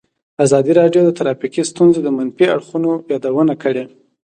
ازادي راډیو د ټرافیکي ستونزې د منفي اړخونو یادونه کړې.